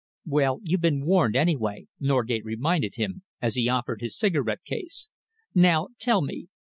"Well, you've been warned, any way," Norgate reminded him, as he offered his cigarette case. "Now tell me.